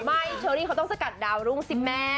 ไม่เธอนี่เขาจะกัดดาวรุ่งซิแม่